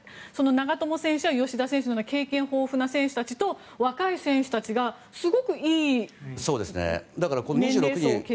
長友選手や吉田選手など経験豊富な選手たちと若い選手たちがすごくいい年齢層で形成して。